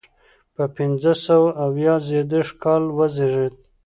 په پنځه سوه اویا زیږدي کال وزیږېد.